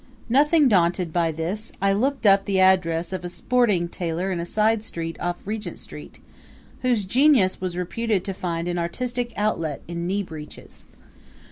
Nothing daunted by this I looked up the address of a sporting tailor in a side street off Regent Street, whose genius was reputed to find an artistic outlet in knee breeches.